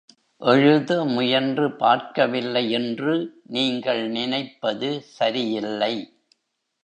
எழுத முயன்று பார்க்கவில்லை என்று நீங்கள் நினைப்பது சரியில்லை.